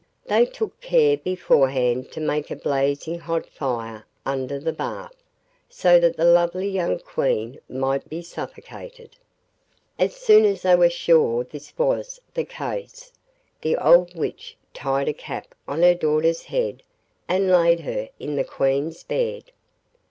They took care beforehand to make a blazing hot fire under the bath, so that the lovely young Queen might be suffocated. As soon as they were sure this was the case, the old witch tied a cap on her daughter's head and laid her in the Queen's bed.